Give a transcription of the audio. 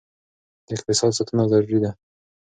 د اقتصاد ساتنه ضروري ده.